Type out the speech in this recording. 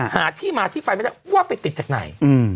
หาที่มาที่ไปไม่ได้ว่าไปติดจากไหน